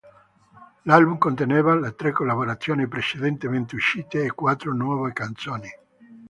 L'album conteneva le tre collaborazioni precedentemente uscite e quattro nuove canzoni.